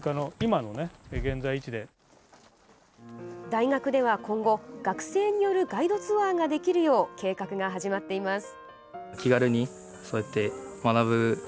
大学では今後、学生によるガイドツアーができるよう計画が始まっています。